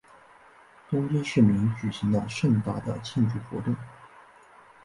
东京市民举行了盛大的庆祝活动。